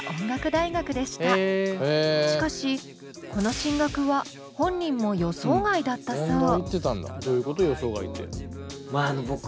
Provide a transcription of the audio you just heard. しかしこの進学は本人も予想外だったそう。